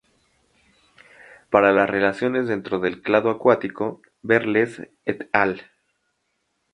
Para las relaciones dentro del clado acuático, ver Les "et al.